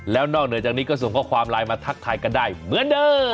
แล้วนอกเหนือจากนี้ก็ส่งข้อความไลน์มาทักทายกันได้เหมือนเดิม